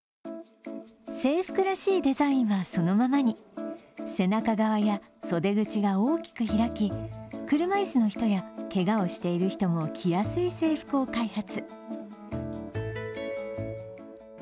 制服らしいデザインはそのままに背中側や袖口が大きく開き車椅子の人やけがをしている人も着やすい制服を開発。